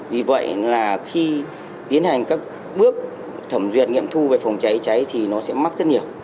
vì vậy là khi tiến hành các bước thẩm duyệt nghiệm thu về phòng cháy cháy thì nó sẽ mắc rất nhiều